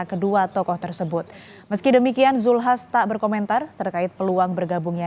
kedua tokoh tersebut meski demikian zulkifli hasan tak berkomentar terkait peluang bergabungnya